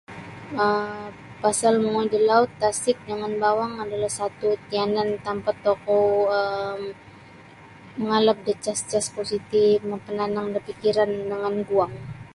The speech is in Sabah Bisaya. um Pasal mongoi da laut, tasik jangan bowong adalah satu yanan tampat tokou um mangalap da cas-cas positif mapananang da fikiran jangan guang.